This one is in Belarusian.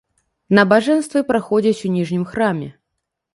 Набажэнствы праходзяць у ніжнім храме.